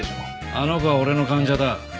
あの子は俺の患者だ。